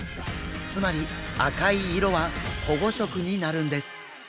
つまり赤い色は保護色になるんです。